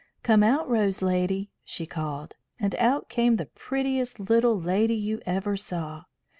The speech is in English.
"Come out, Rose lady!" she called, and out came the prettiest little lady you ever saw.